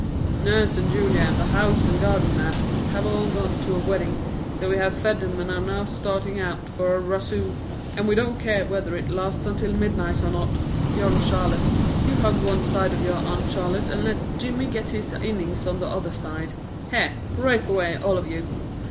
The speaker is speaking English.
"Nurse and Julia and the house and garden man have all gone to a wedding, so we have fed 'em and are now starting out for a razoo, and we don't care whether it lasts until midnight or not. Young Charlotte, you hug one side of your Aunt Charlotte and let Jimmy get his innings on the other side. Here, break away, all of you!"